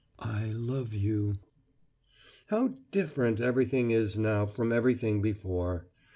"I love you! "How different everything is now from everything before.